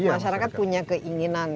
masyarakat punya keinginan